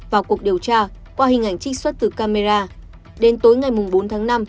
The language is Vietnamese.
vào cuộc điều tra qua hình ảnh trích xuất từ camera đến tối ngày bốn tháng năm